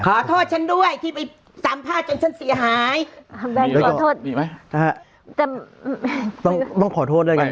ขอโทษชั้นด้วยที่ไปสัมภาษณ์ฉันเสียหาย